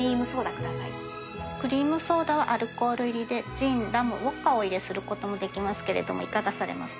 クリームソーダはアルコール入りでジンラムウオッカをお入れすることもできますけれどいかがされますか？